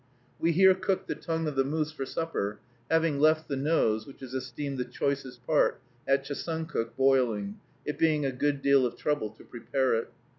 We here cooked the tongue of the moose for supper, having left the nose, which is esteemed the choicest part, at Chesuncook, boiling, it being a good deal of trouble to prepare it.